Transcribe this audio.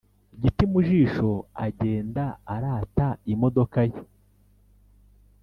Giti mu jisho agenda arata imodokan ye